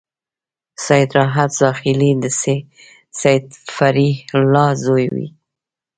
سید راحت زاخيلي د سید فریح الله زوی و.